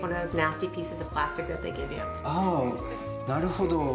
なるほど。